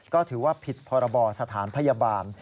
ก็ถือว่าผิดพรบสถานพยาบาล